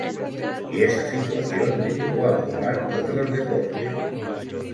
Y esa situación le llevó a probar otros deportes.